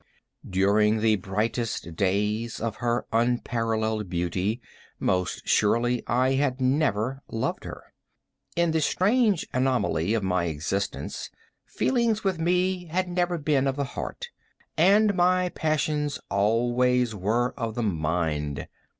During the brightest days of her unparalleled beauty, most surely I had never loved her. In the strange anomaly of my existence, feelings with me, had never been of the heart, and my passions always were of the mind.